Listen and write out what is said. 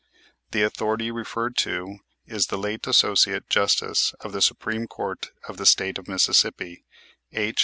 The authority referred to is the late Associate Justice of the Supreme Court of the State of Mississippi, H.